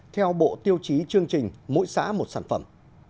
theo bộ tiêu chí chương trình mỗi xã một sản phẩm